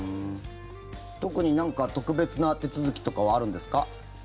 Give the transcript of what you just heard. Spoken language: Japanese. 特になんか特別な手続きとかはあるんですか？